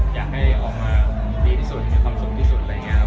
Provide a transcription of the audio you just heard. อยากให้ออกมานี่ที่สุดมีความสุขที่สุด